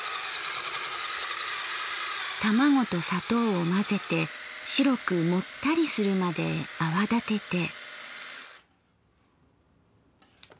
卵と砂糖を混ぜて白くもったりするまで泡立てて。